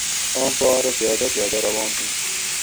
آم پا ارو پیادہ پیادہ روان ہو